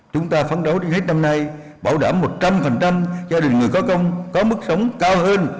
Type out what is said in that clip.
chúng ta phán đấu đến hết năm nay bảo đảm một trăm linh gia đình người có công có mức sống cao hơn